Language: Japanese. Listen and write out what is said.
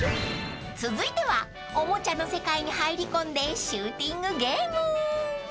［続いてはおもちゃの世界に入り込んでシューティングゲーム］